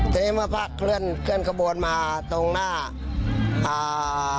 ทีนี้เมื่อพระเคลื่อนเคลื่อนขบวนมาตรงหน้าอ่า